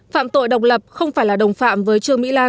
phạm tội độc lập không phải là đồng phạm với trương mỹ lan